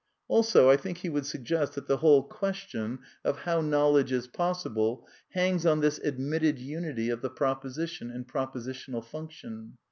Also, I think he would suggest that the whole question of 208 A DEFENCE OF IDEALISM how Knowledge is possible hangs on this admitted unity of the proposition and propositional function.